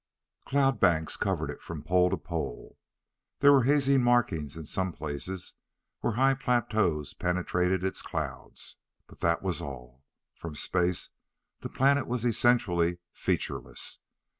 Cloud banks covered it from pole to pole. There were hazy markings in some places, where high plateaus penetrated its clouds. But that was all. From space the planet was essentially featureless.